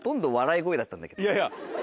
いやいや。